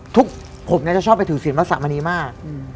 ทุกผมจะชอบไปถือศิลป์ที่วัฒนธรรมนีมาก